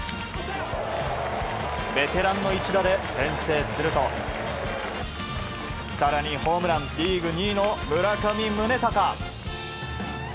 ベテランの一打で先制すると更にホームランリーグ２位の村上宗隆。